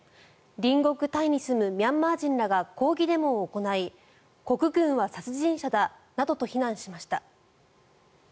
隣国タイに住むミャンマー人らが抗議デモを行い国軍は殺人者だなどと非難しました。